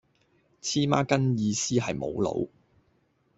黐孖根意思係無腦